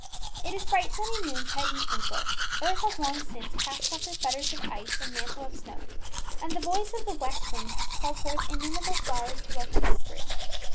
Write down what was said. It is bright sunny noontide in April; earth has long since cast off her fetters of ice and mantle of snow, and the voice of the west wind has called forth innumerable flowers to welcome the spring.